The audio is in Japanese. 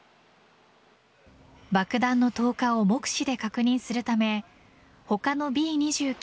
爆弾の投下を目視で確認するため他のＢ２９